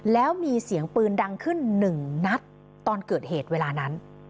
แล้วมีเสียงปืนดังขึ้นหนึ่งนัดตอนเกิดเหตุเวลานั้น